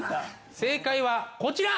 正解はこちら。